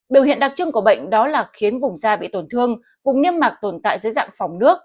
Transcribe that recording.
biểu hiện đặc trưng của bệnh đó là khiến vùng da bị tổn thương vùng niêm mạc tồn tại dưới dạng phòng nước